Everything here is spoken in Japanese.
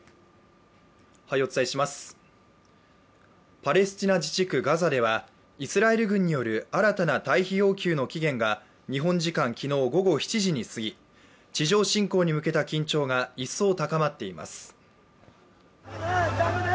パレスチナ自治区ガザではイスラエル軍による新たな退避要求の期限が日本時間昨日午後７時に過ぎ、地上侵攻に向けた緊張が一層高まっています。